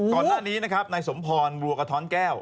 ก่อนหน้านี้นะครับนายสมพรบัวกระท้อนแก้ว